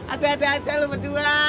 ada ada aja lo berdua